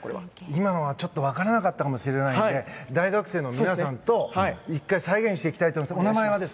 今のは分からなかったかもしれないので大学生の皆さんと１回、再現していきたいとしています。